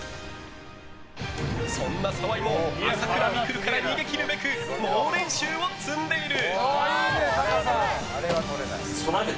そんな澤井も朝倉未来から逃げ切るべく猛練習を積んでいる。